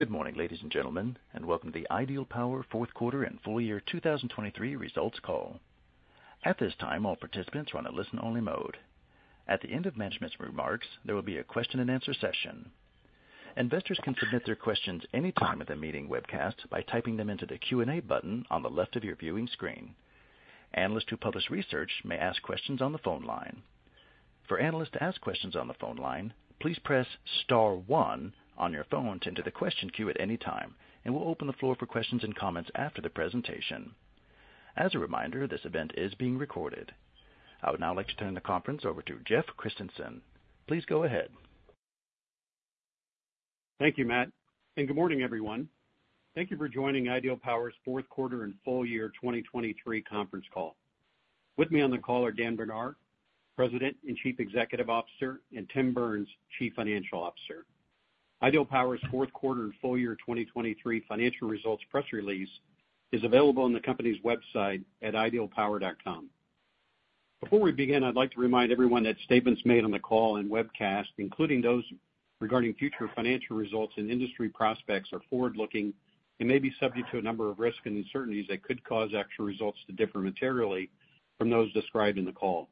Good morning, ladies and gentlemen, and welcome to the Ideal Power Fourth Quarter and Full Year 2023 Results Call. At this time, all participants are on a listen-only mode. At the end of management's remarks, there will be a question and answer session. Investors can submit their questions anytime in the meeting webcast by typing them into the Q&A button on the left of your viewing screen. Analysts who publish research may ask questions on the phone line. For analysts to ask questions on the phone line, please press star one on your phone to enter the question queue at any time, and we'll open the floor for questions and comments after the presentation. As a reminder, this event is being recorded. I would now like to turn the conference over to Jeff Christensen. Please go ahead. Thank you, Matt, and good morning, everyone. Thank you for joining Ideal Power's fourth quarter and full year 2023 conference call. With me on the call are Dan Brdar, President and Chief Executive Officer, and Tim Burns, Chief Financial Officer. Ideal Power's fourth quarter and full year 2023 financial results press release is available on the company's website at idealpower.com. Before we begin, I'd like to remind everyone that statements made on the call and webcast, including those regarding future financial results and industry prospects, are forward-looking and may be subject to a number of risks and uncertainties that could cause actual results to differ materially from those described in the call.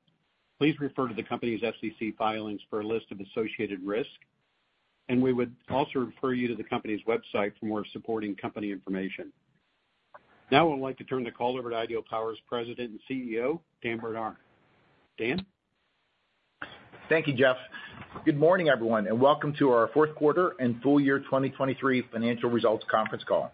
Please refer to the company's SEC filings for a list of associated risks, and we would also refer you to the company's website for more supporting company information. Now I would like to turn the call over to Ideal Power's President and CEO, Dan Brdar. Dan? Thank you, Jeff. Good morning, everyone, and welcome to our Fourth Quarter and Full Year 2023 Financial Results Conference Call.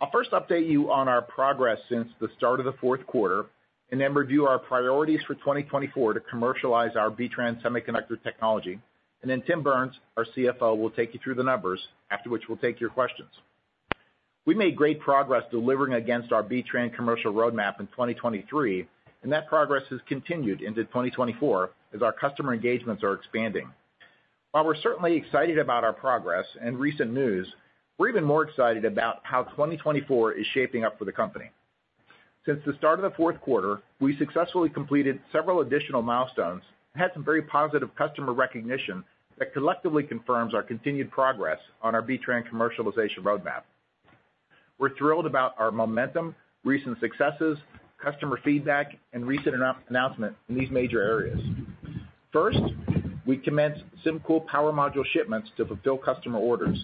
I'll first update you on our progress since the start of the fourth quarter and then review our priorities for 2024 to commercialize our B-TRAN semiconductor technology. And then Tim Burns, our CFO, will take you through the numbers, after which we'll take your questions. We made great progress delivering against our B-TRAN commercial roadmap in 2023, and that progress has continued into 2024 as our customer engagements are expanding. While we're certainly excited about our progress and recent news, we're even more excited about how 2024 is shaping up for the company. Since the start of the fourth quarter, we successfully completed several additional milestones and had some very positive customer recognition that collectively confirms our continued progress on our B-TRAN commercialization roadmap. We're thrilled about our momentum, recent successes, customer feedback, and recent announcement in these major areas. First, we commence SymCool power module shipments to fulfill customer orders.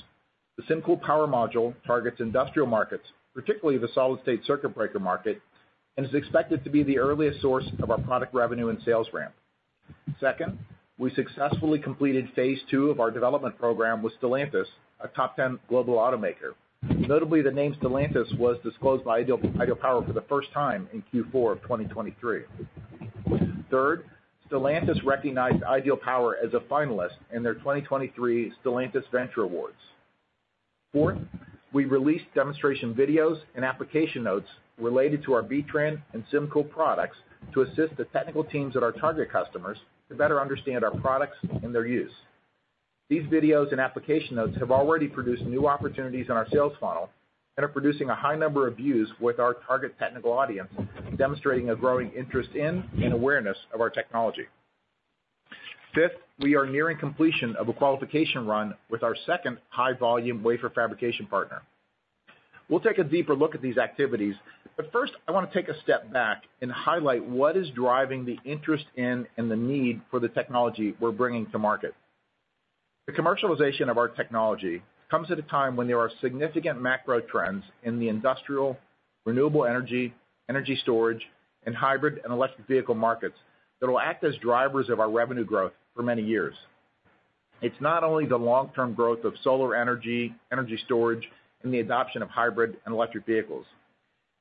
The SymCool power module targets industrial markets, particularly the solid-state circuit breaker market, and is expected to be the earliest source of our product revenue and sales ramp. Second, we successfully completed phase II of our development program with Stellantis, a top 10 global automaker. Notably, the name Stellantis was disclosed by Ideal Power for the first time in Q4 of 2023. Third, Stellantis recognized Ideal Power as a finalist in their 2023 Stellantis Venture Awards. Fourth, we released demonstration videos and application notes related to our B-TRAN and SymCool products to assist the technical teams at our target customers to better understand our products and their use. These videos and application notes have already produced new opportunities in our sales funnel and are producing a high number of views with our target technical audience, demonstrating a growing interest in and awareness of our technology. Fifth, we are nearing completion of a qualification run with our second high-volume wafer fabrication partner. We'll take a deeper look at these activities, but first, I want to take a step back and highlight what is driving the interest in and the need for the technology we're bringing to market. The commercialization of our technology comes at a time when there are significant macro trends in the industrial, renewable energy, energy storage, and hybrid and electric vehicle markets that will act as drivers of our revenue growth for many years. It's not only the long-term growth of solar energy, energy storage, and the adoption of hybrid and electric vehicles.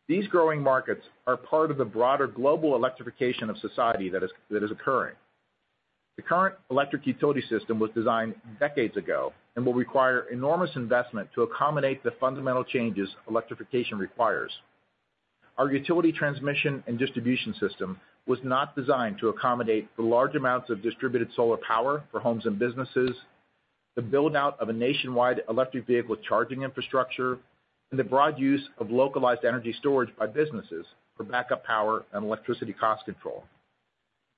These growing markets are part of the broader global electrification of society that is occurring. The current electric utility system was designed decades ago and will require enormous investment to accommodate the fundamental changes electrification requires. Our utility transmission and distribution system was not designed to accommodate the large amounts of distributed solar power for homes and businesses, the buildout of a nationwide electric vehicle charging infrastructure, and the broad use of localized energy storage by businesses for backup power and electricity cost control.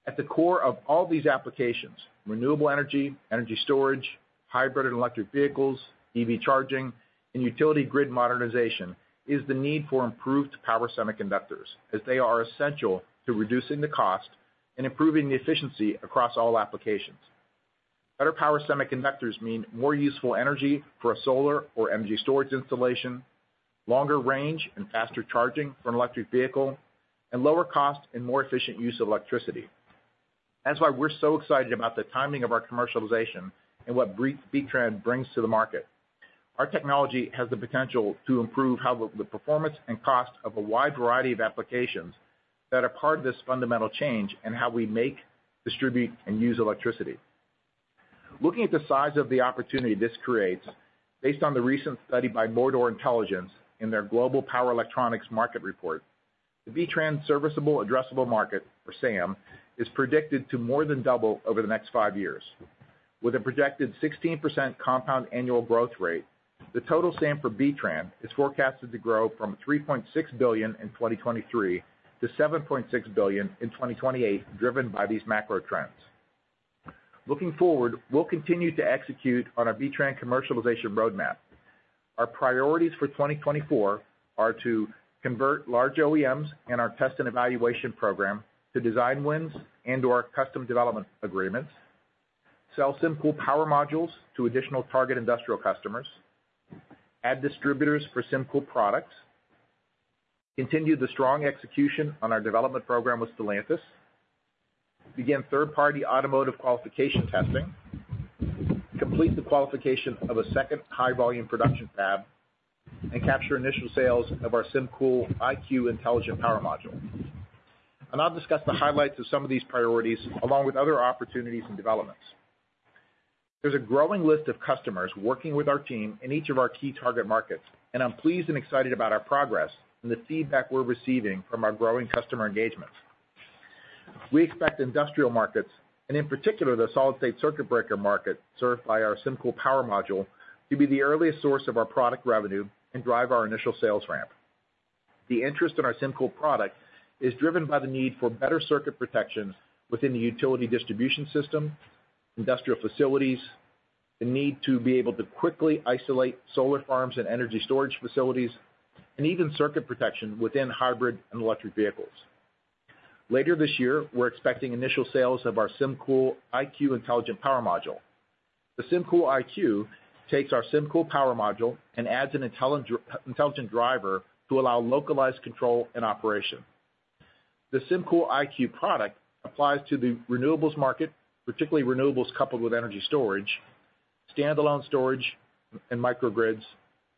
At the core of all these applications, renewable energy, energy storage, hybrid and electric vehicles, EV charging, and utility grid modernization is the need for improved power semiconductors, as they are essential to reducing the cost and improving the efficiency across all applications. Better power semiconductors mean more useful energy for a solar or energy storage installation, longer range and faster charging for an electric vehicle, and lower cost and more efficient use of electricity. That's why we're so excited about the timing of our commercialization and what B-TRAN brings to the market. Our technology has the potential to improve the performance and cost of a wide variety of applications that are part of this fundamental change in how we make, distribute, and use electricity. Looking at the size of the opportunity this creates, based on the recent study by Mordor Intelligence in their Global Power Electronics Market Report, the B-TRAN Serviceable Addressable Market, or SAM, is predicted to more than double over the next five years. With a projected 16% compound annual growth rate, the total SAM for B-TRAN is forecasted to grow from $3.6 billion in 2023 to $7.6 billion in 2028, driven by these macro trends. Looking forward, we'll continue to execute on our B-TRAN commercialization roadmap. Our priorities for 2024 are to convert large OEMs in our test and evaluation program to design wins and/or custom development agreements, sell SymCool power modules to additional target industrial customers, add distributors for SymCool products, continue the strong execution on our development program with Stellantis, begin third-party automotive qualification testing, complete the qualification of a second high-volume production fab, and capture initial sales of our SymCool IQ Intelligent Power Module. I'll discuss the highlights of some of these priorities along with other opportunities and developments. There's a growing list of customers working with our team in each of our key target markets, and I'm pleased and excited about our progress and the feedback we're receiving from our growing customer engagements. We expect industrial markets, and in particular the solid-state circuit breaker market served by our SymCool power module, to be the earliest source of our product revenue and drive our initial sales ramp. The interest in our SymCool product is driven by the need for better circuit protection within the utility distribution system, industrial facilities, the need to be able to quickly isolate solar farms and energy storage facilities, and even circuit protection within hybrid and electric vehicles. Later this year, we're expecting initial sales of our SymCool IQ Intelligent Power Module. The SymCool IQ takes our SymCool power module and adds an intelligent driver to allow localized control and operation. The SymCool IQ product applies to the renewables market, particularly renewables coupled with energy storage, standalone storage and microgrids,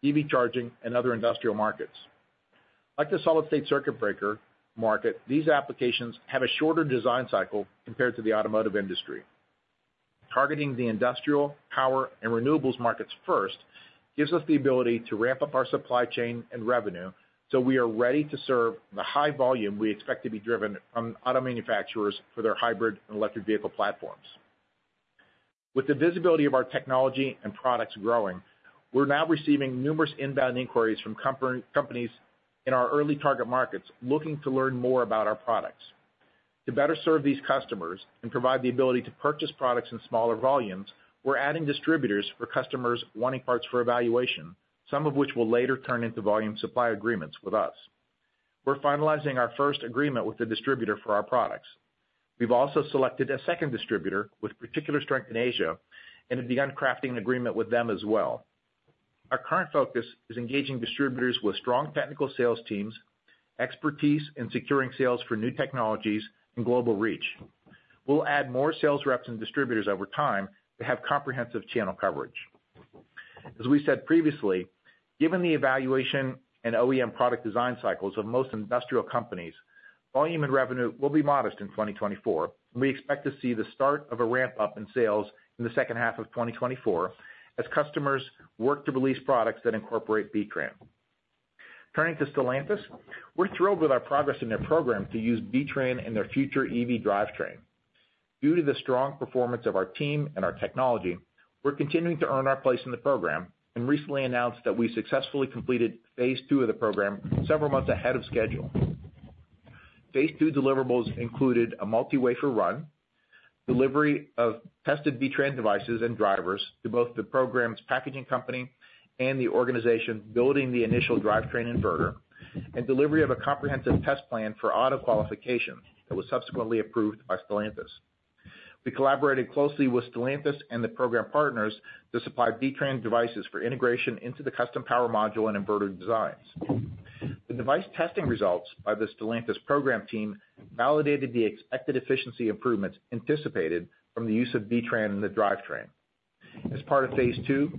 EV charging, and other industrial markets. Like the solid-state circuit breaker market, these applications have a shorter design cycle compared to the automotive industry. Targeting the industrial, power, and renewables markets first gives us the ability to ramp up our supply chain and revenue so we are ready to serve the high volume we expect to be driven from auto manufacturers for their hybrid and electric vehicle platforms. With the visibility of our technology and products growing, we're now receiving numerous inbound inquiries from companies in our early target markets looking to learn more about our products. To better serve these customers and provide the ability to purchase products in smaller volumes, we're adding distributors for customers wanting parts for evaluation, some of which will later turn into volume supply agreements with us. We're finalizing our first agreement with the distributor for our products. We've also selected a second distributor with particular strength in Asia and have begun crafting an agreement with them as well. Our current focus is engaging distributors with strong technical sales teams, expertise in securing sales for new technologies, and global reach. We'll add more sales reps and distributors over time to have comprehensive channel coverage. As we said previously, given the evaluation and OEM product design cycles of most industrial companies, volume and revenue will be modest in 2024, and we expect to see the start of a ramp-up in sales in the second half of 2024 as customers work to release products that incorporate B-TRAN. Turning to Stellantis, we're thrilled with our progress in their program to use B-TRAN in their future EV drivetrain. Due to the strong performance of our team and our technology, we're continuing to earn our place in the program and recently announced that we successfully completed phase II of the program several months ahead of schedule. Phase II deliverables included a multi-wafer run, delivery of tested B-TRAN devices and drivers to both the program's packaging company and the organization building the initial drivetrain inverter, and delivery of a comprehensive test plan for auto qualification that was subsequently approved by Stellantis. We collaborated closely with Stellantis and the program partners to supply B-TRAN devices for integration into the custom power module and inverter designs. The device testing results by the Stellantis program team validated the expected efficiency improvements anticipated from the use of B-TRAN in the drivetrain. As part of phase II,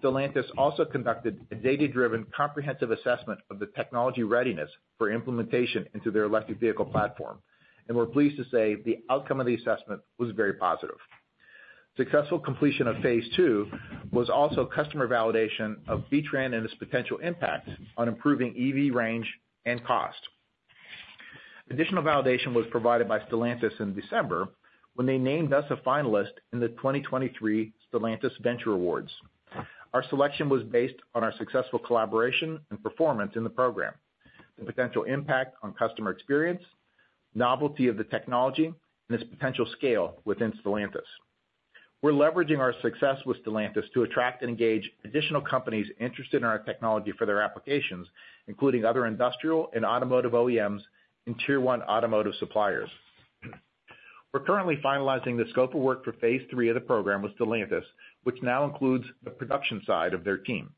Stellantis also conducted a data-driven comprehensive assessment of the technology readiness for implementation into their electric vehicle platform, and we're pleased to say the outcome of the assessment was very positive. Successful completion of phase II was also customer validation of B-TRAN and its potential impact on improving EV range and cost. Additional validation was provided by Stellantis in December when they named us a finalist in the 2023 Stellantis Venture Awards. Our selection was based on our successful collaboration and performance in the program, the potential impact on customer experience, novelty of the technology, and its potential scale within Stellantis. We're leveraging our success with Stellantis to attract and engage additional companies interested in our technology for their applications, including other industrial and automotive OEMs and Tier 1 automotive suppliers. We're currently finalizing the scope of work for phase III of the program with Stellantis, which now includes the production side of their team.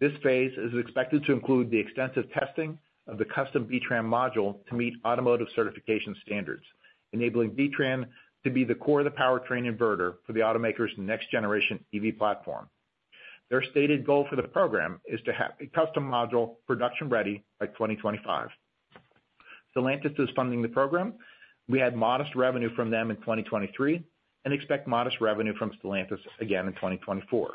This phase is expected to include the extensive testing of the custom B-TRAN module to meet automotive certification standards, enabling B-TRAN to be the core of the powertrain inverter for the automaker's next-generation EV platform. Their stated goal for the program is to have a custom module production-ready by 2025. Stellantis is funding the program. We had modest revenue from them in 2023 and expect modest revenue from Stellantis again in 2024.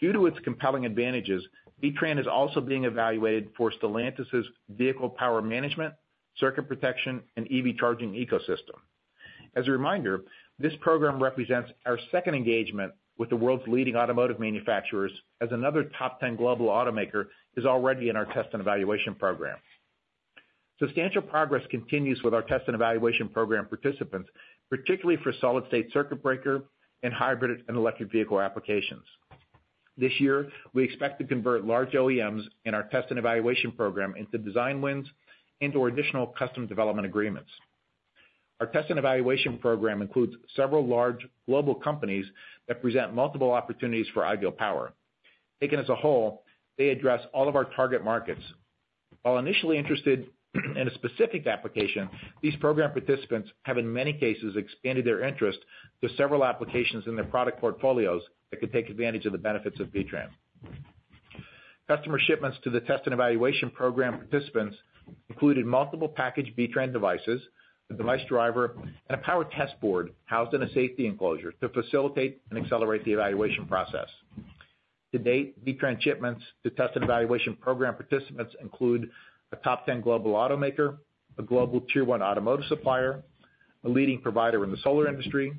Due to its compelling advantages, B-TRAN is also being evaluated for Stellantis's vehicle power management, circuit protection, and EV charging ecosystem. As a reminder, this program represents our second engagement with the world's leading automotive manufacturers as another top 10 global automaker is already in our test and evaluation program. Substantial progress continues with our test and evaluation program participants, particularly for solid-state circuit breaker and hybrid and electric vehicle applications. This year, we expect to convert large OEMs in our test and evaluation program into design wins and/or additional custom development agreements. Our test and evaluation program includes several large global companies that present multiple opportunities for Ideal Power. Taken as a whole, they address all of our target markets. While initially interested in a specific application, these program participants have, in many cases, expanded their interest to several applications in their product portfolios that could take advantage of the benefits of B-TRAN. Customer shipments to the test and evaluation program participants included multiple packaged B-TRAN devices, a device driver, and a power test board housed in a safety enclosure to facilitate and accelerate the evaluation process. To date, B-TRAN shipments to test and evaluation program participants include a top 10 global automaker, a global Tier 1 automotive supplier, a leading provider in the solar industry,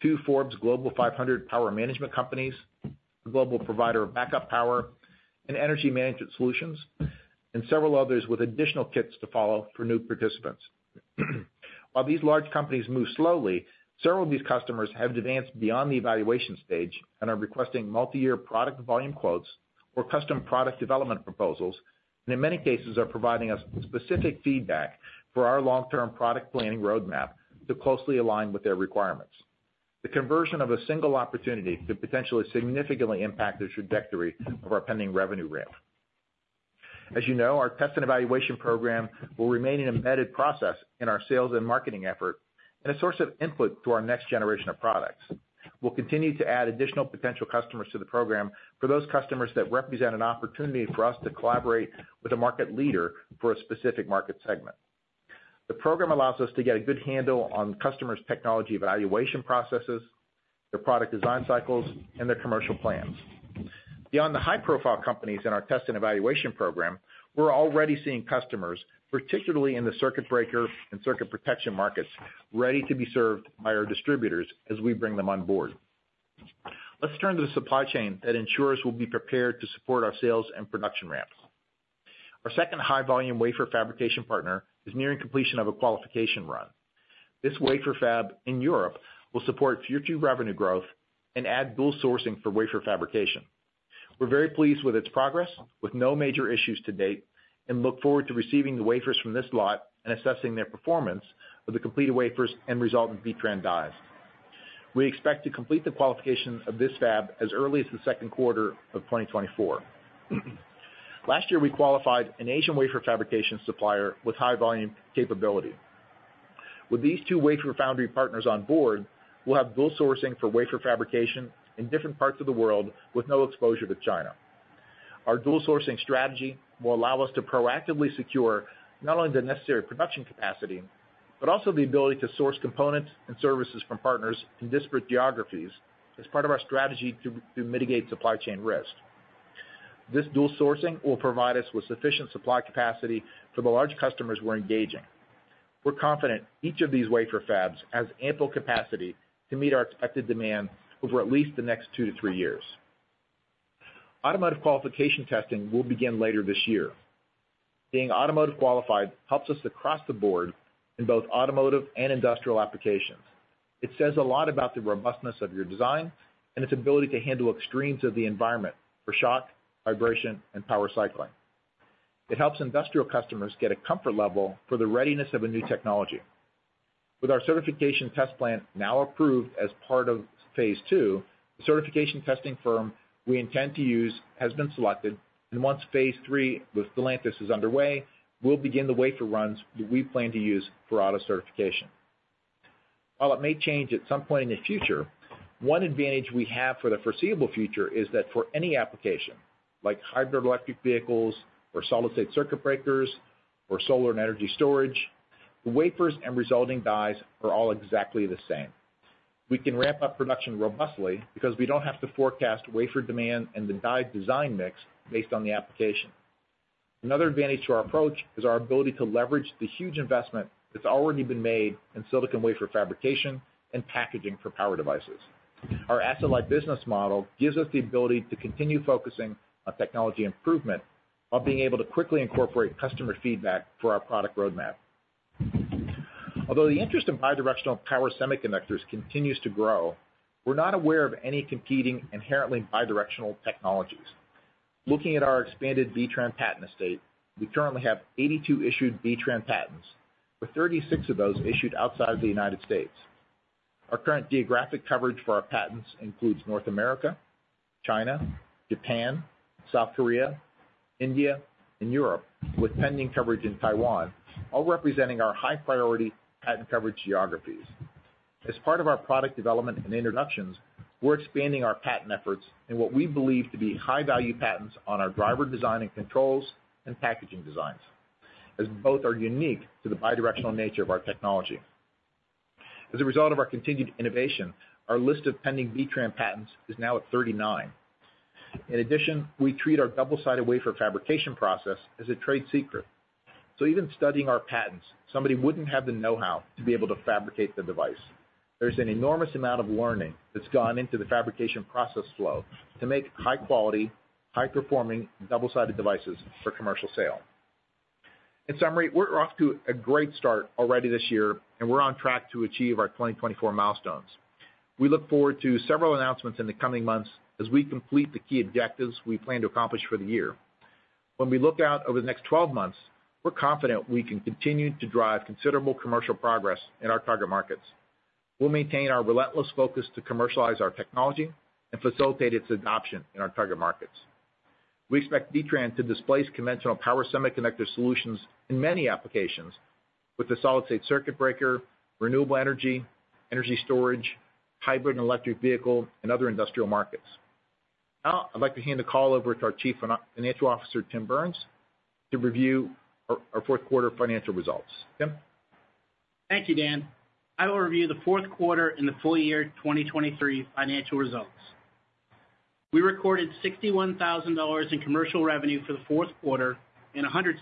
two Forbes Global 500 power management companies, a global provider of backup power and energy management solutions, and several others with additional kits to follow for new participants. While these large companies move slowly, several of these customers have advanced beyond the evaluation stage and are requesting multi-year product volume quotes or custom product development proposals, and in many cases, are providing us specific feedback for our long-term product planning roadmap to closely align with their requirements. The conversion of a single opportunity could potentially significantly impact the trajectory of our pending revenue ramp. As you know, our test and evaluation program will remain an embedded process in our sales and marketing effort and a source of input to our next generation of products. We'll continue to add additional potential customers to the program for those customers that represent an opportunity for us to collaborate with a market leader for a specific market segment. The program allows us to get a good handle on customers' technology evaluation processes, their product design cycles, and their commercial plans. Beyond the high-profile companies in our test and evaluation program, we're already seeing customers, particularly in the circuit breaker and circuit protection markets, ready to be served by our distributors as we bring them on board. Let's turn to the supply chain that ensures we'll be prepared to support our sales and production ramps. Our second high-volume wafer fabrication partner is nearing completion of a qualification run. This wafer fab in Europe will support future revenue growth and add dual sourcing for wafer fabrication. We're very pleased with its progress, with no major issues to date, and look forward to receiving the wafers from this lot and assessing their performance with the completed wafers and resultant B-TRAN dies. We expect to complete the qualification of this fab as early as the second quarter of 2024. Last year, we qualified an Asian wafer fabrication supplier with high-volume capability. With these two wafer foundry partners on board, we'll have dual sourcing for wafer fabrication in different parts of the world with no exposure to China. Our dual sourcing strategy will allow us to proactively secure not only the necessary production capacity but also the ability to source components and services from partners in disparate geographies as part of our strategy to mitigate supply chain risk. This dual sourcing will provide us with sufficient supply capacity for the large customers we're engaging. We're confident each of these wafer fabs has ample capacity to meet our expected demand over at least the next two, three years. Automotive qualification testing will begin later this year. Being automotive qualified helps us across the board in both automotive and industrial applications. It says a lot about the robustness of your design and its ability to handle extremes of the environment for shock, vibration, and power cycling. It helps industrial customers get a comfort level for the readiness of a new technology. With our certification test plan now approved as part of phase II, the certification testing firm we intend to use has been selected, and once phase III with Stellantis is underway, we'll begin the wafer runs that we plan to use for auto certification. While it may change at some point in the future, one advantage we have for the foreseeable future is that for any application like hybrid electric vehicles or solid-state circuit breakers or solar and energy storage, the wafers and resulting dies are all exactly the same. We can ramp up production robustly because we don't have to forecast wafer demand and the die design mix based on the application. Another advantage to our approach is our ability to leverage the huge investment that's already been made in silicon wafer fabrication and packaging for power devices. Our asset-like business model gives us the ability to continue focusing on technology improvement while being able to quickly incorporate customer feedback for our product roadmap. Although the interest in bidirectional power semiconductors continues to grow, we're not aware of any competing inherently bidirectional technologies. Looking at our expanded B-TRAN patent estate, we currently have 82 issued B-TRAN patents, with 36 of those issued outside of the United States. Our current geographic coverage for our patents includes North America, China, Japan, South Korea, India, and Europe, with pending coverage in Taiwan, all representing our high-priority patent coverage geographies. As part of our product development and introductions, we're expanding our patent efforts in what we believe to be high-value patents on our driver design and controls and packaging designs, as both are unique to the bidirectional nature of our technology. As a result of our continued innovation, our list of pending B-TRAN patents is now at 39. In addition, we treat our double-sided wafer fabrication process as a trade secret. So even studying our patents, somebody wouldn't have the know-how to be able to fabricate the device. There's an enormous amount of learning that's gone into the fabrication process flow to make high-quality, high-performing double-sided devices for commercial sale. In summary, we're off to a great start already this year, and we're on track to achieve our 2024 milestones. We look forward to several announcements in the coming months as we complete the key objectives we plan to accomplish for the year. When we look out over the next 12 months, we're confident we can continue to drive considerable commercial progress in our target markets. We'll maintain our relentless focus to commercialize our technology and facilitate its adoption in our target markets. We expect B-TRAN to displace conventional power semiconductor solutions in many applications, with the solid-state circuit breaker, renewable energy, energy storage, hybrid and electric vehicle, and other industrial markets. Now, I'd like to hand the call over to our Chief Financial Officer, Tim Burns, to review our fourth quarter financial results. Tim. Thank you, Dan. I will review the fourth quarter and the full year 2023 financial results. We recorded $61,000 in commercial revenue for the fourth quarter and $161,000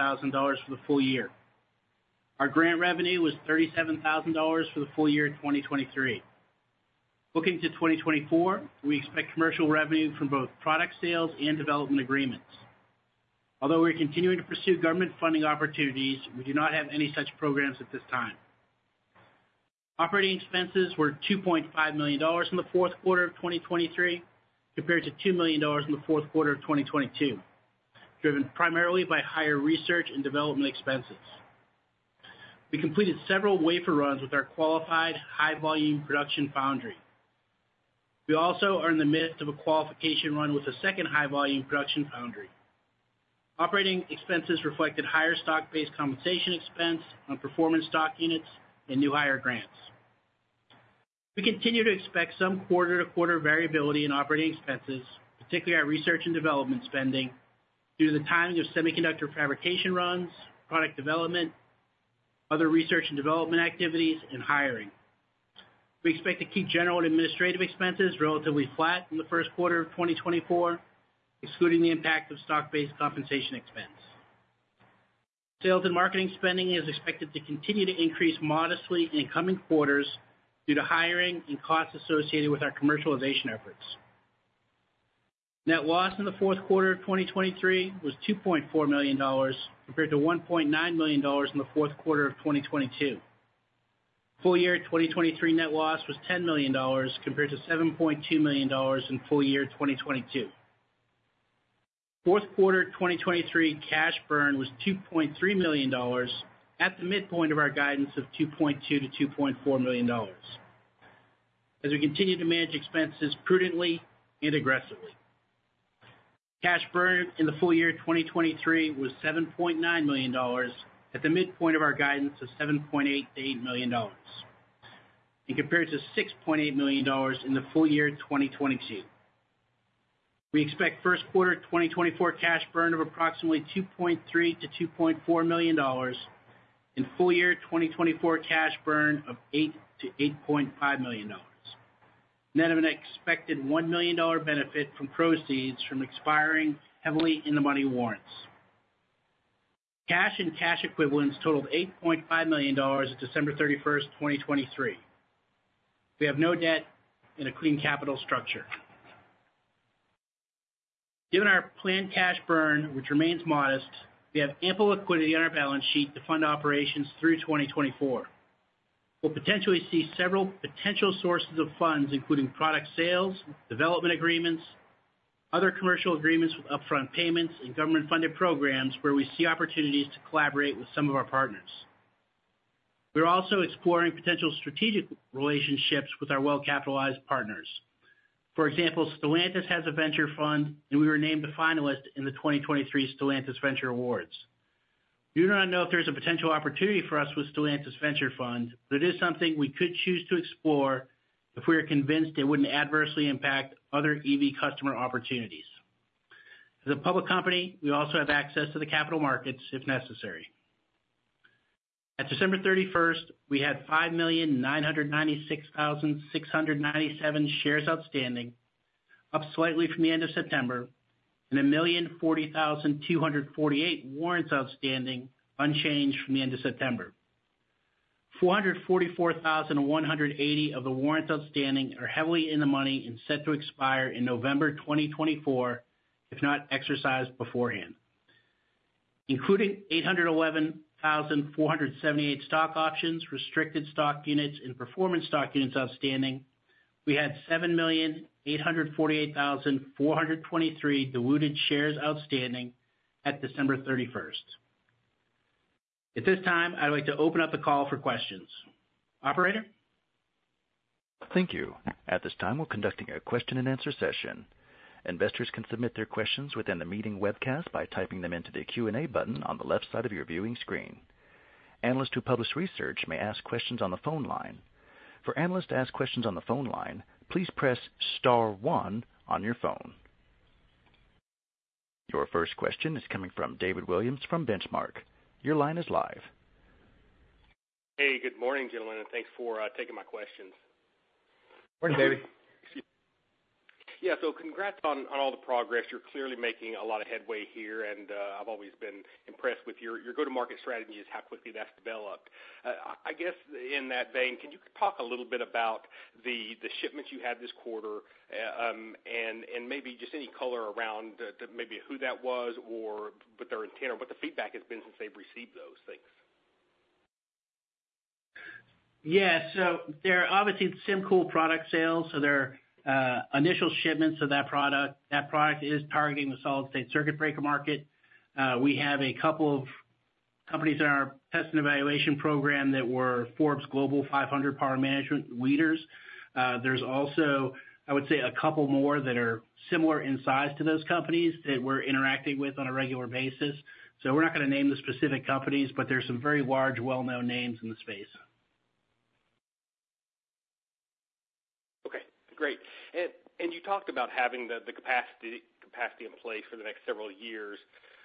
for the full year. Our grant revenue was $37,000 for the full year 2023. Looking to 2024, we expect commercial revenue from both product sales and development agreements. Although we are continuing to pursue government funding opportunities, we do not have any such programs at this time. Operating expenses were $2.5 million in the fourth quarter of 2023 compared to $2 million in the fourth quarter of 2022, driven primarily by higher research and development expenses. We completed several wafer runs with our qualified high-volume production foundry. We also are in the midst of a qualification run with a second high volume production foundry. Operating expenses reflected higher stock-based compensation expense on performance stock units and new hire grants. We continue to expect some quarter-to-quarter variability in operating expenses, particularly our research and development spending, due to the timing of semiconductor fabrication runs, product development, other research and development activities, and hiring. We expect to keep general and administrative expenses relatively flat in the first quarter of 2024, excluding the impact of stock-based compensation expense. Sales and marketing spending is expected to continue to increase modestly in incoming quarters due to hiring and costs associated with our commercialization efforts. Net loss in the fourth quarter of 2023 was $2.4 million compared to $1.9 million in the fourth quarter of 2022. Full year 2023 net loss was $10 million compared to $7.2 million in full year 2022. Fourth quarter 2023 cash burn was $2.3 million, at the midpoint of our guidance of $2.2-$2.4 million as we continue to manage expenses prudently and aggressively. Cash burn in the full year 2023 was $7.9 million, at the midpoint of our guidance of $7.8-$8 million and compared to $6.8 million in the full year 2022. We expect first quarter 2024 cash burn of approximately $2.3-$2.4 million and full year 2024 cash burn of $8-$8.5 million, and then an expected $1 million benefit from proceeds from expiring heavily in-the-money warrants. Cash and cash equivalents totaled $8.5 million on December 31st, 2023. We have no debt in a clean capital structure. Given our planned cash burn, which remains modest, we have ample liquidity on our balance sheet to fund operations through 2024. We'll potentially see several potential sources of funds, including product sales, development agreements, other commercial agreements with upfront payments, and government-funded programs where we see opportunities to collaborate with some of our partners. We're also exploring potential strategic relationships with our well capitalized partners. For example, Stellantis has a venture fund, and we were named a finalist in the 2023 Stellantis Venture Awards. We do not know if there's a potential opportunity for us with Stellantis Venture Fund, but it is something we could choose to explore if we are convinced it wouldn't adversely impact other EV customer opportunities. As a public company, we also have access to the capital markets if necessary. On December 31st, we had 5,996,697 shares outstanding, up slightly from the end of September, and 1,040,248 warrants outstanding, unchanged from the end of September. 444,180 of the warrants outstanding are heavily in-the-money and set to expire in November 2024, if not exercised beforehand. Including 811,478 stock options, restricted stock units, and performance stock units outstanding, we had 7,848,423 diluted shares outstanding on December 31st. At this time, I'd like to open up the call for questions. Operator. Thank you. At this time, we're conducting a question-and-answer session. Investors can submit their questions within the meeting webcast by typing them into the Q&A button on the left side of your viewing screen. Analysts who publish research may ask questions on the phone line. For analysts to ask questions on the phone line, please press star one on your phone. Your first question is coming from David Williams from Benchmark. Your line is live. Hey, good morning, gentlemen, and thanks for taking my questions. Morning, David. Yeah, so congrats on all the progress. You're clearly making a lot of headway here, and I've always been impressed with your go to market strategy is how quickly that's developed. I guess in that vein, can you talk a little bit about the shipments you had this quarter and maybe just any color around maybe who that was or what their intent or what the feedback has been since they've received those things? Yeah, so there are obviously some cool product sales. So there are initial shipments of that product. That product is targeting the solid-state circuit breaker market. We have a couple of companies in our test and evaluation program that were Forbes Global 500 Power Management leaders. There's also, I would say, a couple more that are similar in size to those companies that we're interacting with on a regular basis. So we're not going to name the specific companies, but there's some very large, well-known names in the space. Okay, great. And you talked about having the capacity in place for the next several years.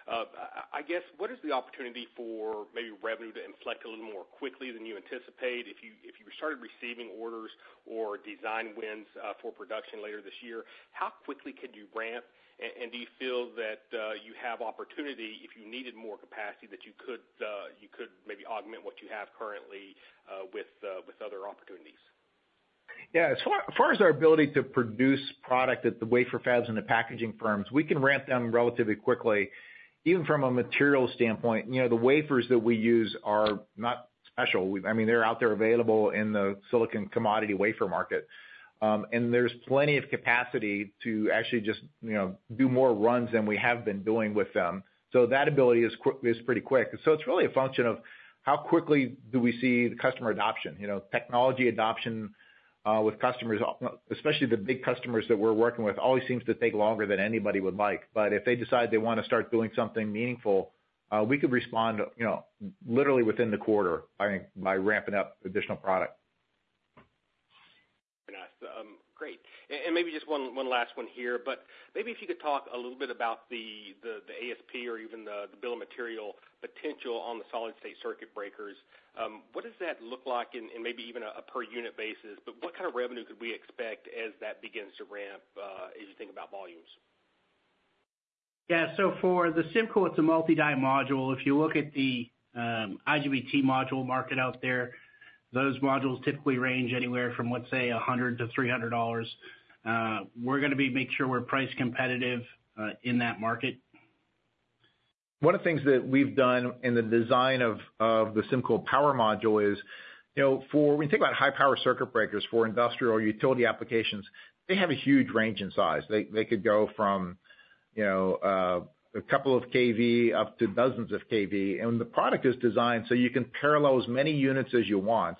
I guess what is the opportunity for maybe revenue to inflect a little more quickly than you anticipate? If you started receiving orders or design wins for production later this year, how quickly could you ramp? And do you feel that you have opportunity if you needed more capacity that you could maybe augment what you have currently with other opportunities? Yeah, as far as our ability to produce product at the wafer fabs and the packaging firms, we can ramp them relatively quickly even from a materials standpoint. The wafers that we use are not special. I mean, they're out there available in the silicon commodity wafer market, and there's plenty of capacity to actually just do more runs than we have been doing with them. So that ability is pretty quick. So it's really a function of how quickly do we see the customer adoption? Technology adoption with customers, especially the big customers that we're working with, always seems to take longer than anybody would like. But if they decide they want to start doing something meaningful, we could respond literally within the quarter by ramping up additional product. Very nice. Great. Maybe just one last one here, but maybe if you could talk a little bit about the ASP or even the bill of material potential on the solid-state circuit breakers, what does that look like in maybe even a per unit basis? What kind of revenue could we expect as that begins to ramp as you think about volumes? Yeah, so for the SymCool, it's a multi-die module. If you look at the IGBT module market out there, those modules typically range anywhere from, let's say, $100-$300. We're going to make sure we're price competitive in that market. One of the things that we've done in the design of the SymCool Power Module is when you think about high-power circuit breakers for industrial or utility applications, they have a huge range in size. They could go from a couple of kV up to dozens of kV. The product is designed so you can parallel as many units as you want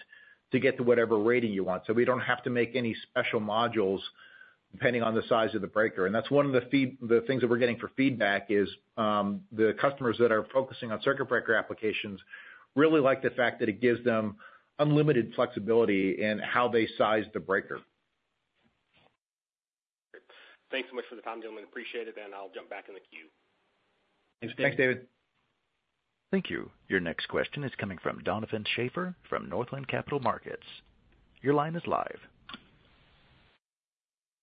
to get to whatever rating you want. We don't have to make any special modules depending on the size of the breaker. That's one of the things that we're getting for feedback is the customers that are focusing on circuit breaker applications really like the fact that it gives them unlimited flexibility in how they size the breaker. Thanks so much for the time, gentlemen. Appreciate it. And I'll jump back in the queue. Thanks, David. Thank you. Your next question is coming from Donovan Schafer from Northland Capital Markets. Your line is live.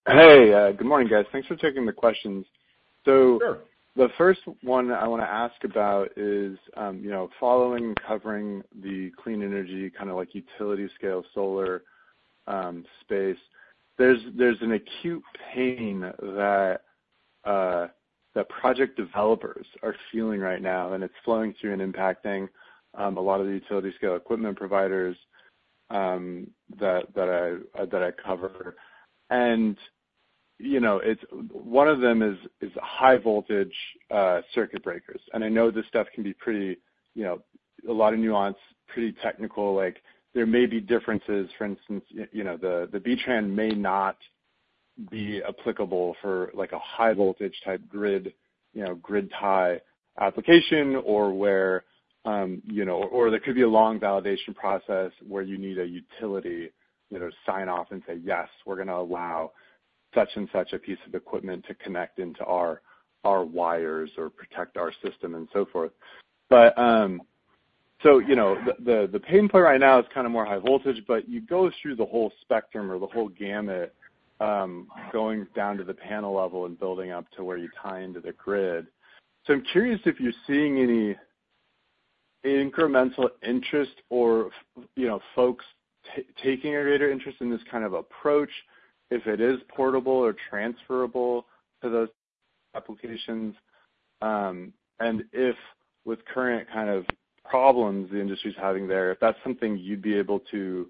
Hey, good morning, guys. Thanks for taking the questions. So the first one I want to ask about is following and covering the clean energy, kind of like utility-scale solar space. There's an acute pain that project developers are feeling right now, and it's flowing through and impacting a lot of the utility-scale equipment providers that I cover. And one of them is high-voltage circuit breakers. And I know this stuff can be pretty a lot of nuance, pretty technical. There may be differences. For instance, the B-TRAN may not be applicable for a high-voltage type grid tie application or where or there could be a long validation process where you need a utility to sign off and say, "Yes, we're going to allow such and such a piece of equipment to connect into our wires or protect our system," and so forth. So the pain point right now is kind of more high voltage, but you go through the whole spectrum or the whole gamut going down to the panel level and building up to where you tie into the grid. So I'm curious if you're seeing any incremental interest or folks taking a greater interest in this kind of approach, if it is portable or transferable to those applications, and if with current kind of problems the industry's having there, if that's something you'd be able to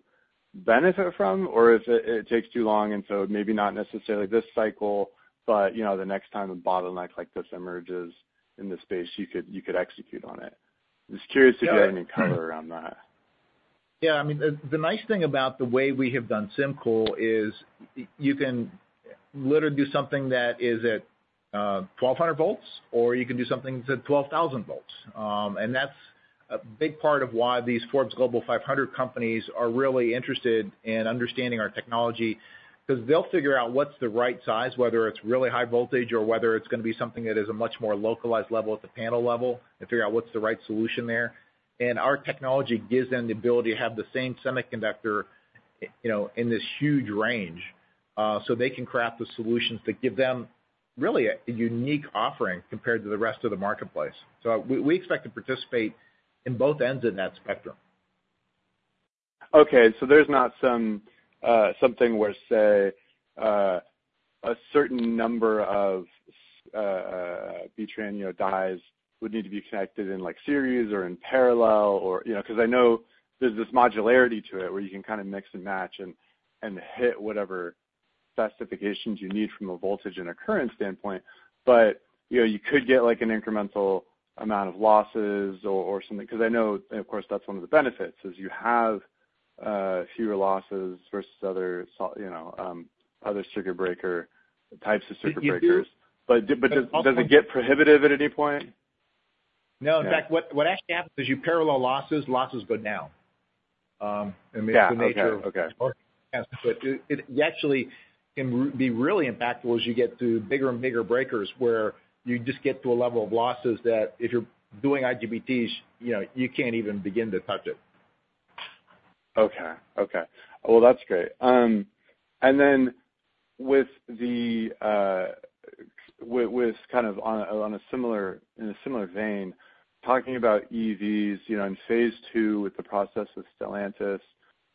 benefit from or if it takes too long and so maybe not necessarily this cycle, but the next time a bottleneck like this emerges in the space, you could execute on it. I'm just curious if you have any color around that. Yeah, I mean, the nice thing about the way we have done SymCool is you can literally do something that is at 1,200 volts, or you can do something that's at 12,000 volts. And that's a big part of why these Forbes Global 500 companies are really interested in understanding our technology because they'll figure out what's the right size, whether it's really high voltage or whether it's going to be something that is a much more localized level at the panel level and figure out what's the right solution there. And our technology gives them the ability to have the same semiconductor in this huge range so they can craft the solutions that give them really a unique offering compared to the rest of the marketplace. So we expect to participate in both ends of that spectrum. Okay, so there's not something where, say, a certain number of B-TRAN dies would need to be connected in series or in parallel because I know there's this modularity to it where you can kind of mix and match and hit whatever specifications you need from a voltage and a current standpoint. But you could get an incremental amount of losses or something because I know, of course, that's one of the benefits is you have fewer losses versus other types of circuit breakers. But does it get prohibitive at any point? No, in fact, what actually happens is you parallel losses, losses go down. It means the nature of the market. But it actually can be really impactful as you get to bigger and bigger breakers where you just get to a level of losses that if you're doing IGBTs, you can't even begin to touch it. Okay, okay. Well, that's great. And then with kind of in a similar vein, talking about EVs in phase II with the process with Stellantis,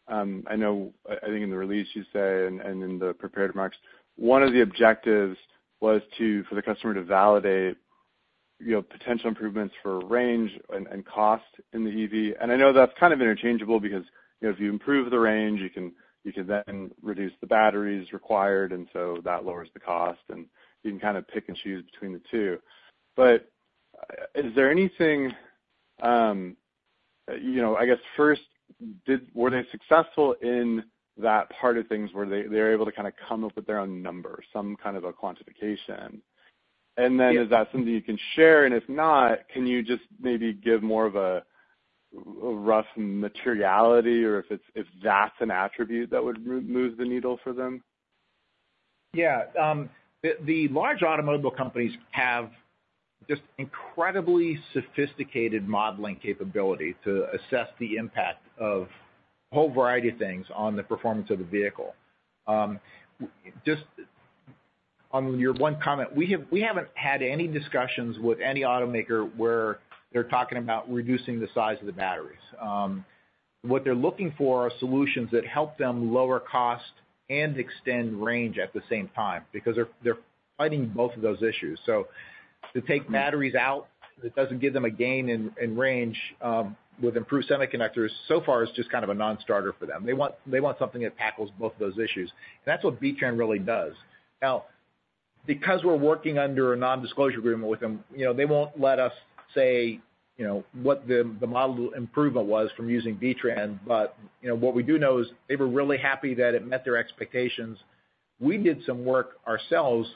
I think in the release, you say, and in the prepared remarks, one of the objectives was for the customer to validate potential improvements for range and cost in the EV. And I know that's kind of interchangeable because if you improve the range, you can then reduce the batteries required, and so that lowers the cost, and you can kind of pick and choose between the two. But is there anything? I guess, first, were they successful in that part of things where they were able to kind of come up with their own number, some kind of a quantification? And then is that something you can share? If not, can you just maybe give more of a rough materiality or if that's an attribute that would move the needle for them? Yeah, the large automobile companies have just incredibly sophisticated modeling capability to assess the impact of a whole variety of things on the performance of the vehicle. Just on your one comment, we haven't had any discussions with any automaker where they're talking about reducing the size of the batteries. What they're looking for are solutions that help them lower cost and extend range at the same time because they're fighting both of those issues. So to take batteries out that doesn't give them a gain in range with improved semiconductors, so far, is just kind of a non-starter for them. They want something that tackles both of those issues. And that's what B-TRAN really does. Now, because we're working under a nondisclosure agreement with them, they won't let us say what the model improvement was from using B-TRAN. What we do know is they were really happy that it met their expectations. We did some work ourselves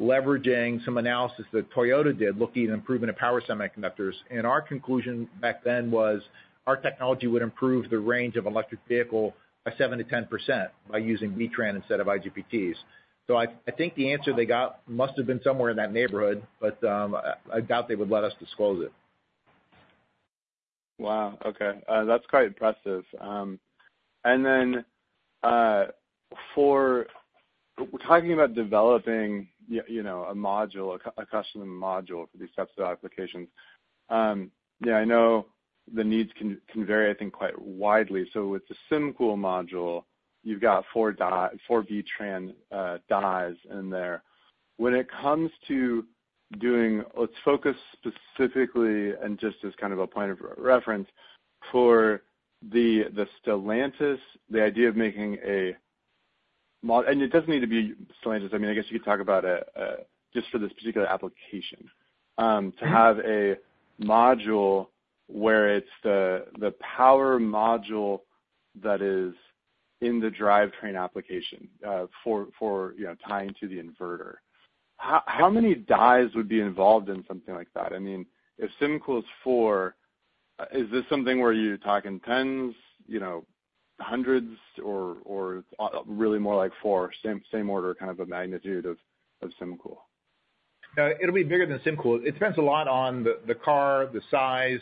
leveraging some analysis that Toyota did looking at improving the power semiconductors. Our conclusion back then was our technology would improve the range of electric vehicle by 7%-10% by using B-TRAN instead of IGBTs. I think the answer they got must have been somewhere in that neighborhood, but I doubt they would let us disclose it. Wow, okay. That's quite impressive. And then talking about developing a custom module for these types of applications, yeah, I know the needs can vary, I think, quite widely. So with the SymCool module, you've got four B-TRAN dies in there. When it comes to doing, let's focus specifically and just as kind of a point of reference for the Stellantis, the idea of making a, and it doesn't need to be Stellantis. I mean, I guess you could talk about it just for this particular application, to have a module where it's the power module that is in the drivetrain application for tying to the inverter. How many dies would be involved in something like that? I mean, if SymCool is four, is this something where you're talking tens, hundreds, or really more like four, same order kind of a magnitude of SymCool? No, it'll be bigger than SymCool. It depends a lot on the car, the size,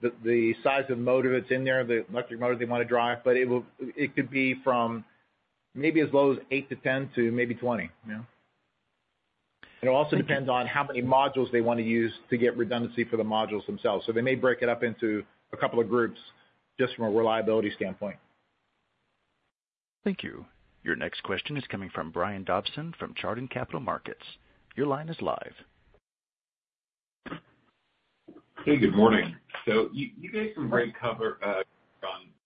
the size of the motor that's in there, the electric motor they want to drive. But it could be from maybe as low as 8 to 10 to maybe 20. It also depends on how many modules they want to use to get redundancy for the modules themselves. So they may break it up into a couple of groups just from a reliability standpoint. Thank you. Your next question is coming from Brian Dobson from Chardan Capital Markets. Your line is live. Hey, good morning. So you gave some great coverage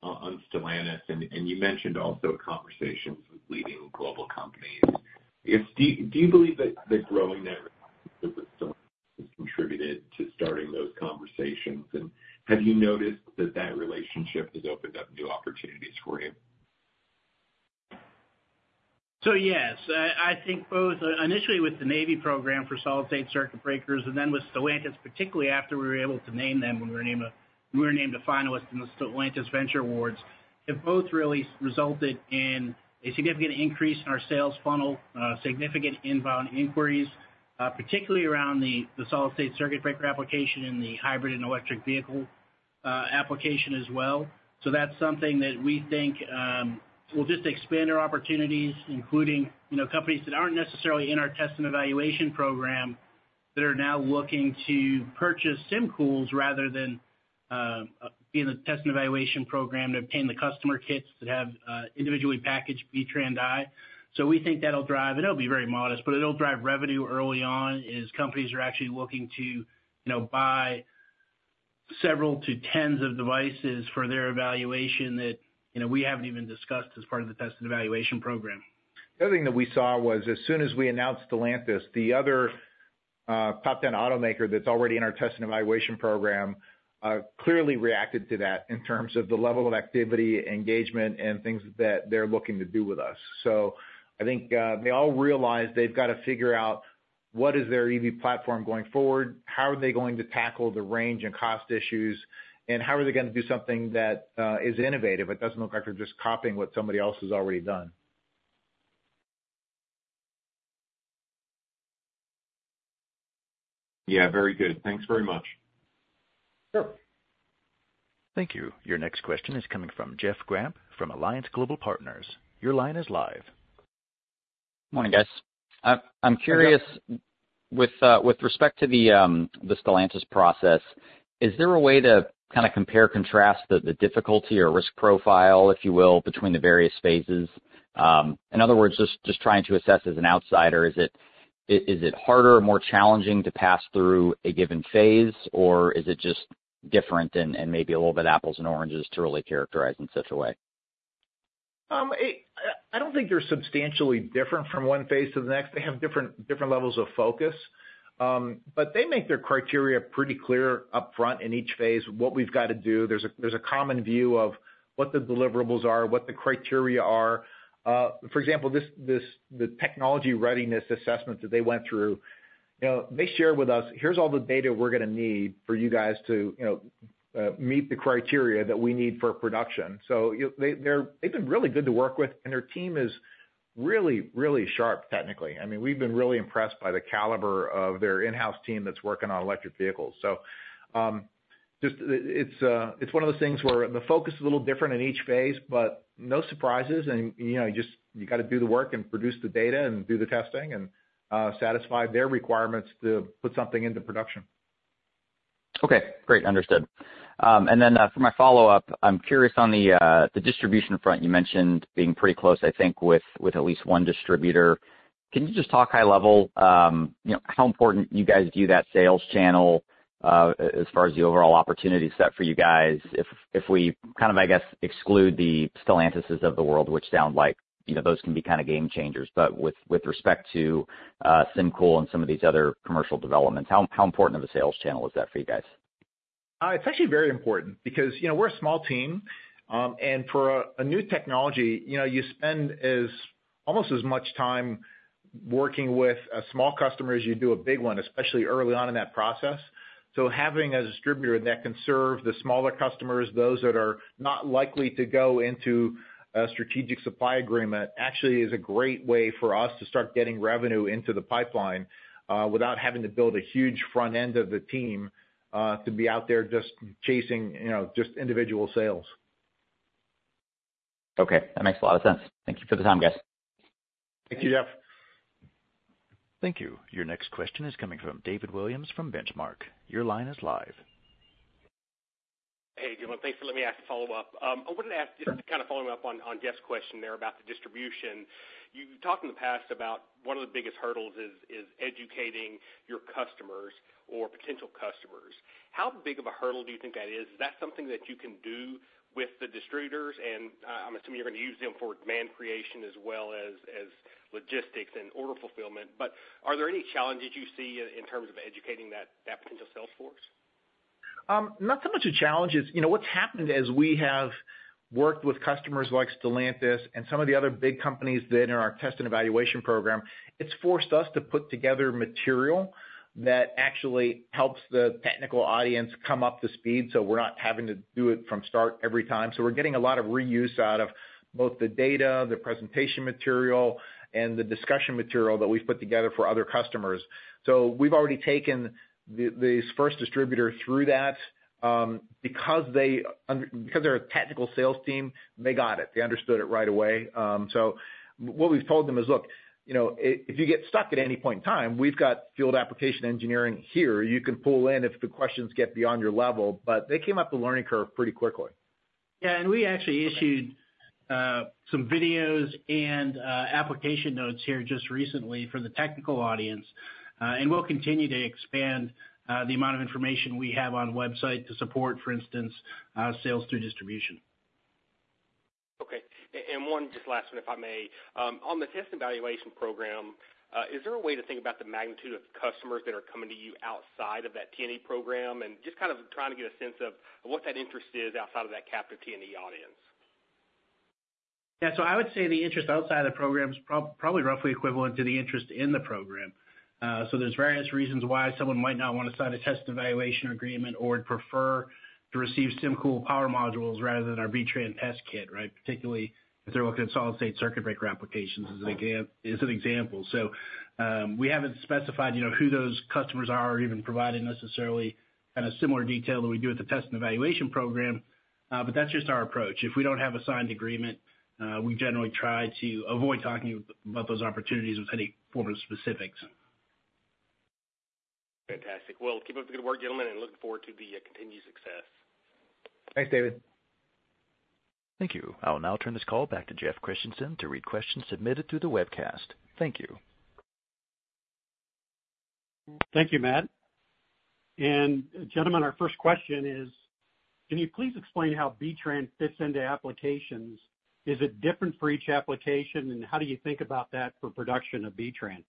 on Stellantis, and you mentioned also conversations with leading global companies. Do you believe that the growing network has contributed to starting those conversations? And have you noticed that that relationship has opened up new opportunities for you? So yes, I think both initially with the Navy program for solid-state circuit breakers and then with Stellantis, particularly after we were able to name them when we were named to finalists in the Stellantis Venture Awards, have both really resulted in a significant increase in our sales funnel, significant inbound inquiries, particularly around the solid-state circuit breaker application and the hybrid and electric vehicle application as well. So that's something that we think will just expand our opportunities, including companies that aren't necessarily in our test and evaluation program that are now looking to purchase SymCools rather than be in the test and evaluation program to obtain the customer kits that have individually packaged B-TRAN die. So we think that'll drive and it'll be very modest, but it'll drive revenue early on as companies are actually looking to buy several to tens of devices for their evaluation that we haven't even discussed as part of the test and evaluation program. The other thing that we saw was as soon as we announced Stellantis, the other top 10 automaker that's already in our test and evaluation program clearly reacted to that in terms of the level of activity, engagement, and things that they're looking to do with us. So I think they all realize they've got to figure out what is their EV platform going forward, how are they going to tackle the range and cost issues, and how are they going to do something that is innovative? It doesn't look like they're just copying what somebody else has already done. Yeah, very good. Thanks very much. Sure. Thank you. Your next question is coming from Jeff Grampp from Alliance Global Partners. Your line is live. Morning, guys. I'm curious, with respect to the Stellantis process, is there a way to kind of compare/contrast the difficulty or risk profile, if you will, between the various phases? In other words, just trying to assess as an outsider, is it harder or more challenging to pass through a given phase, or is it just different and maybe a little bit apples and oranges to really characterize in such a way? I don't think they're substantially different from one phase to the next. They have different levels of focus. But they make their criteria pretty clear upfront in each phase, what we've got to do. There's a common view of what the deliverables are, what the criteria are. For example, the technology readiness assessment that they went through, they share with us, "Here's all the data we're going to need for you guys to meet the criteria that we need for production." So they've been really good to work with, and their team is really, really sharp technically. I mean, we've been really impressed by the caliber of their in-house team that's working on electric vehicles. So it's one of those things where the focus is a little different in each phase, but no surprises. You got to do the work and produce the data and do the testing and satisfy their requirements to put something into production. Okay, great. Understood. And then for my follow-up, I'm curious on the distribution front. You mentioned being pretty close, I think, with at least one distributor. Can you just talk high level how important you guys view that sales channel as far as the overall opportunity set for you guys if we kind of, I guess, exclude the Stellantis of the world, which sound like those can be kind of game changers. But with respect to SymCool and some of these other commercial developments, how important of a sales channel is that for you guys? It's actually very important because we're a small team. For a new technology, you spend almost as much time working with a small customer as you do a big one, especially early on in that process. Having a distributor that can serve the smaller customers, those that are not likely to go into a strategic supply agreement, actually is a great way for us to start getting revenue into the pipeline without having to build a huge front end of the team to be out there just chasing just individual sales. Okay, that makes a lot of sense. Thank you for the time, guys. Thank you, Jeff. Thank you. Your next question is coming from David Williams from Benchmark. Your line is live. Hey, good morning. Thanks for letting me ask a follow-up. I wanted to ask just kind of following up on Jeff's question there about the distribution. You talked in the past about one of the biggest hurdles is educating your customers or potential customers. How big of a hurdle do you think that is? Is that something that you can do with the distributors? And I'm assuming you're going to use them for demand creation as well as logistics and order fulfillment. But are there any challenges you see in terms of educating that potential salesforce? Not so much a challenge. What's happened as we have worked with customers like Stellantis and some of the other big companies that are in our test and evaluation program, it's forced us to put together material that actually helps the technical audience come up to speed so we're not having to do it from start every time. So we're getting a lot of reuse out of both the data, the presentation material, and the discussion material that we've put together for other customers. So we've already taken this first distributor through that. Because they're a technical sales team, they got it. They understood it right away. So what we've told them is, "Look, if you get stuck at any point in time, we've got field application engineering here. You can pull in if the questions get beyond your level." But they came up the learning curve pretty quickly. Yeah, we actually issued some videos and application notes here just recently for the technical audience. We'll continue to expand the amount of information we have on the website to support, for instance, sales through distribution. Okay. And one just last one, if I may. On the test and evaluation program, is there a way to think about the magnitude of customers that are coming to you outside of that T&E program and just kind of trying to get a sense of what that interest is outside of that captive T&E audience? Yeah, so I would say the interest outside of the program is probably roughly equivalent to the interest in the program. So there's various reasons why someone might not want to sign a test and evaluation agreement or would prefer to receive SymCool power modules rather than our B-TRAN test kit, right, particularly if they're looking at solid-state circuit breaker applications as an example. So we haven't specified who those customers are or even provided necessarily kind of similar detail that we do with the test and evaluation program. But that's just our approach. If we don't have a signed agreement, we generally try to avoid talking about those opportunities with any form of specifics. Fantastic. Well, keep up the good work, gentlemen, and looking forward to the continued success. Thanks, David. Thank you. I will now turn this call back to Jeff Christensen to read questions submitted through the webcast. Thank you. Thank you, Matt. Gentlemen, our first question is, can you please explain how B-TRAN fits into applications? Is it different for each application, and how do you think about that for production of B-TRAN?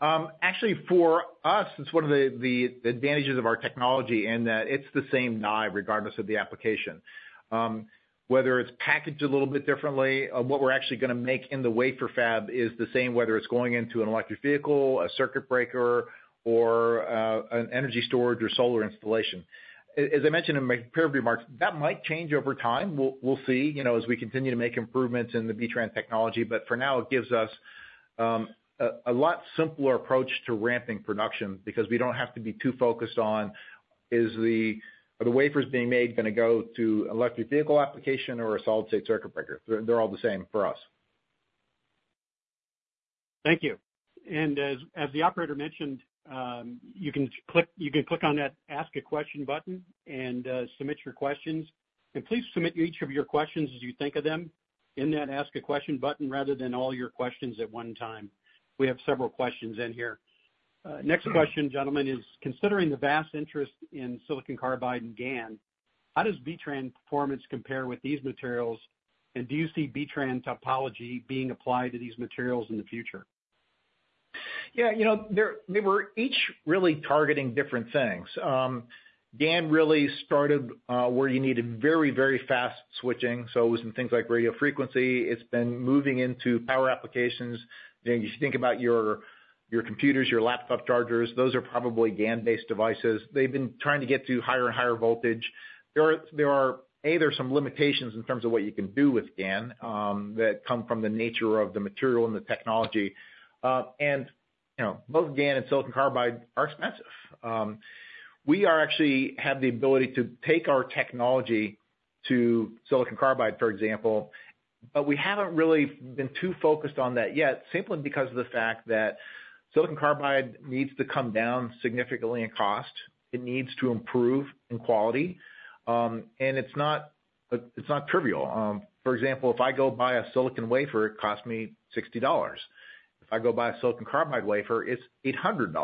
Actually, for us, it's one of the advantages of our technology in that it's the same die regardless of the application. Whether it's packaged a little bit differently, what we're actually going to make in the wafer fab is the same whether it's going into an electric vehicle, a circuit breaker, or an energy storage or solar installation. As I mentioned in my preparatory remarks, that might change over time. We'll see as we continue to make improvements in the B-TRAN technology. But for now, it gives us a lot simpler approach to ramping production because we don't have to be too focused on, "Are the wafers being made going to go to an electric vehicle application or a solid-state circuit breaker?" They're all the same for us. Thank you. As the operator mentioned, you can click on that Ask a Question button and submit your questions. Please submit each of your questions as you think of them in that Ask a Question button rather than all your questions at one time. We have several questions in here. Next question, gentlemen, is, considering the vast interest in silicon carbide and GaN, how does B-TRAN performance compare with these materials, and do you see B-TRAN topology being applied to these materials in the future? Yeah, they were each really targeting different things. GaN really started where you needed very, very fast switching. So it was in things like radio frequency. It's been moving into power applications. If you think about your computers, your laptop chargers, those are probably GaN-based devices. They've been trying to get to higher and higher voltage. There are either some limitations in terms of what you can do with GaN that come from the nature of the material and the technology. And both GaN and silicon carbide are expensive. We actually have the ability to take our technology to silicon carbide, for example, but we haven't really been too focused on that yet, simply because of the fact that silicon carbide needs to come down significantly in cost. It needs to improve in quality. And it's not trivial. For example, if I go buy a silicon wafer, it costs me $60. If I go buy a silicon carbide wafer, it's $800.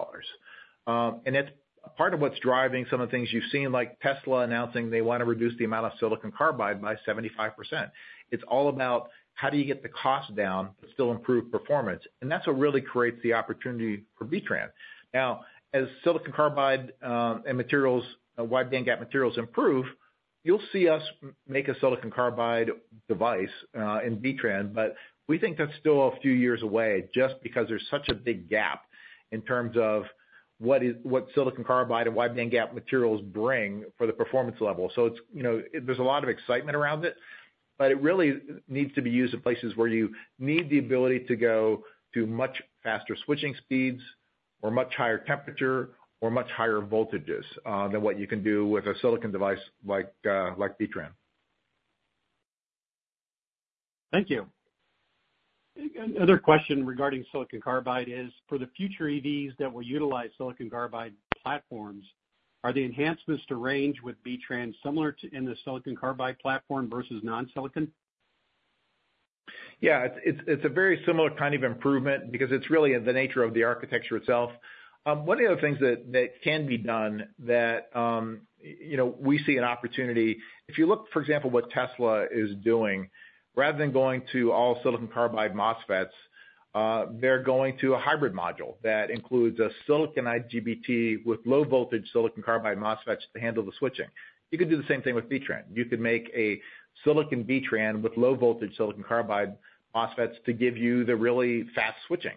And that's part of what's driving some of the things you've seen, like Tesla announcing they want to reduce the amount of silicon carbide by 75%. It's all about how do you get the cost down but still improve performance. And that's what really creates the opportunity for B-TRAN. Now, as silicon carbide and wide bandgap materials improve, you'll see us make a silicon carbide device in B-TRAN. But we think that's still a few years away just because there's such a big gap in terms of what silicon carbide and wide band gap materials bring for the performance level. So there's a lot of excitement around it, but it really needs to be used in places where you need the ability to go to much faster switching speeds or much higher temperature or much higher voltages than what you can do with a silicon device like B-TRAN. Thank you. Another question regarding silicon carbide is, for the future EVs that will utilize silicon carbide platforms, are the enhancements to range with B-TRAN similar in the silicon carbide platform versus non-silicon? Yeah, it's a very similar kind of improvement because it's really the nature of the architecture itself. One of the other things that can be done that we see an opportunity, if you look, for example, at what Tesla is doing, rather than going to all silicon carbide MOSFETs, they're going to a hybrid module that includes a silicon IGBT with low-voltage silicon carbide MOSFETs to handle the switching. You could do the same thing with B-TRAN. You could make a silicon B-TRAN with low-voltage silicon carbide MOSFETs to give you the really fast switching.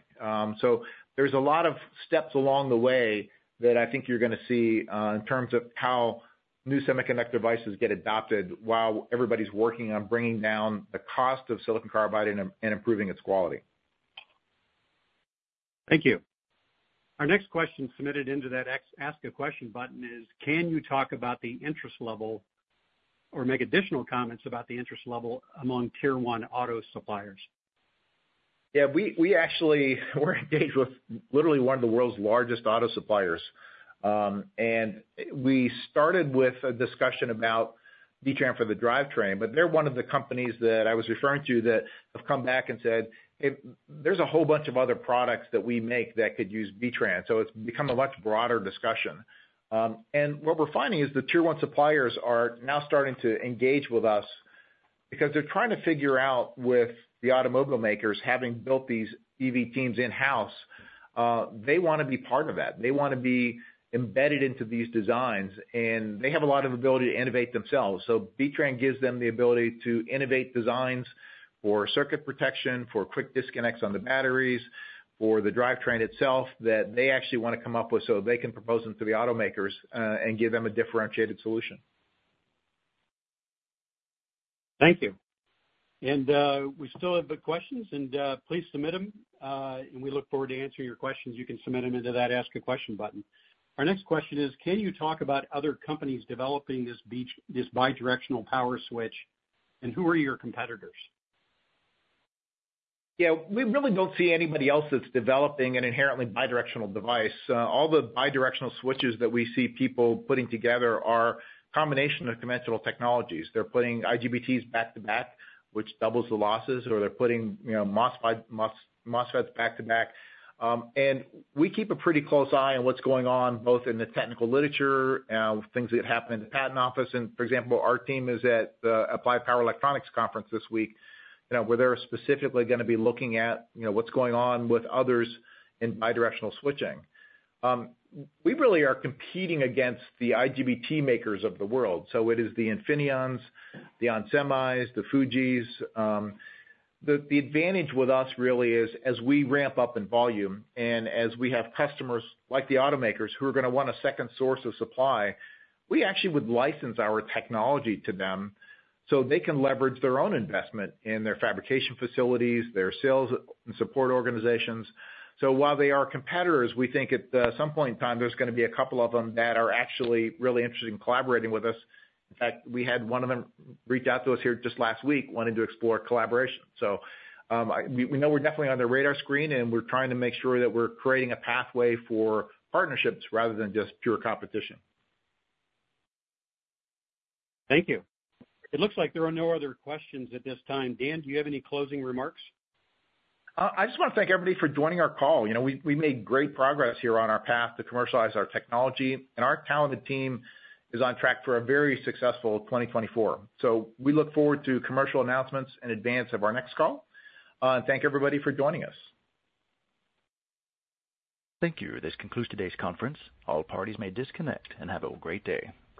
So there's a lot of steps along the way that I think you're going to see in terms of how new semiconductor devices get adopted while everybody's working on bringing down the cost of silicon carbide and improving its quality. Thank you. Our next question submitted into that Ask a Question button is, can you talk about the interest level or make additional comments about the interest level among Tier 1 auto suppliers? Yeah, we actually were engaged with literally one of the world's largest auto suppliers. And we started with a discussion about B-TRAN for the drivetrain. But they're one of the companies that I was referring to that have come back and said, "Hey, there's a whole bunch of other products that we make that could use B-TRAN." So it's become a much broader discussion. And what we're finding is the Tier 1 suppliers are now starting to engage with us because they're trying to figure out with the automobile makers, having built these EV teams in-house, they want to be part of that. They want to be embedded into these designs. And they have a lot of ability to innovate themselves. So B-TRAN gives them the ability to innovate designs for circuit protection, for quick disconnects on the batteries, for the drivetrain itself that they actually want to come up with so they can propose them to the automakers and give them a differentiated solution. Thank you. We still have questions. Please submit them. We look forward to answering your questions. You can submit them into that Ask a Question button. Our next question is, can you talk about other companies developing this bidirectional power switch, and who are your competitors? Yeah, we really don't see anybody else that's developing an inherently bidirectional device. All the bidirectional switches that we see people putting together are a combination of conventional technologies. They're putting IGBTs back to back, which doubles the losses, or they're putting MOSFETs back to back. And we keep a pretty close eye on what's going on both in the technical literature, things that happen in the patent office. And, for example, our team is at the Applied Power Electronics Conference this week where they're specifically going to be looking at what's going on with others in bidirectional switching. We really are competing against the IGBT makers of the world. So it is the Infineons, the Onsemis, the Fujis. The advantage with us really is, as we ramp up in volume and as we have customers like the automakers who are going to want a second source of supply, we actually would license our technology to them so they can leverage their own investment in their fabrication facilities, their sales and support organizations. So while they are competitors, we think at some point in time, there's going to be a couple of them that are actually really interested in collaborating with us. In fact, we had one of them reach out to us here just last week, wanting to explore collaboration. So we know we're definitely on their radar screen, and we're trying to make sure that we're creating a pathway for partnerships rather than just pure competition. Thank you. It looks like there are no other questions at this time. Dan, do you have any closing remarks? I just want to thank everybody for joining our call. We made great progress here on our path to commercialize our technology. Our talented team is on track for a very successful 2024. We look forward to commercial announcements in advance of our next call. Thank everybody for joining us. Thank you. This concludes today's conference. All parties may disconnect and have a great day.